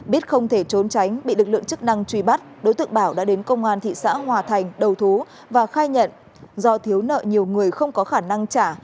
biết không thể trốn tránh bị lực lượng chức năng truy bắt đối tượng bảo đã đến công an thị xã hòa thành đầu thú và khai nhận do thiếu nợ nhiều người không có khả năng trả